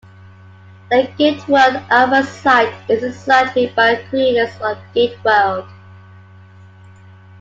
The GateWorld Alpha Site is a site made by the creators of GateWorld.